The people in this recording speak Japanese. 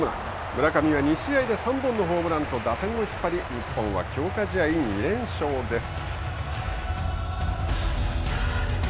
村上は２試合で３本のホームランと打線を引っ張り、日本は、強化試合２連勝です。